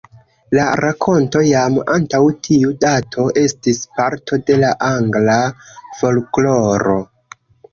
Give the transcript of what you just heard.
La rakonto, jam antaŭ tiu dato, estis parto de la angla folkloro.